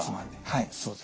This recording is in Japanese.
はいそうです。